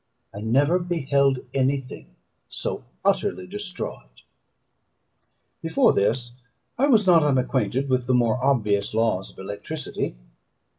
I never beheld any thing so utterly destroyed. Before this I was not unacquainted with the more obvious laws of electricity.